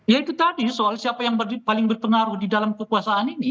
ya itu tadi soal siapa yang paling berpengaruh di dalam kekuasaan ini